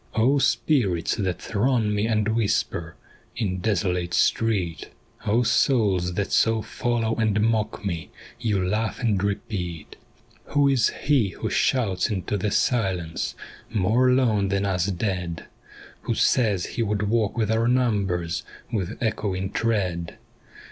85 86 NEAR THE FORUM OF TRAJAN O spirits that throng me and whisper In desolate street, O souls that so follow and mock me, You laugh and repeat :—' Who is he who shouts into the silence More lone than us dead, Who says he would walk with our numbers With echoing tread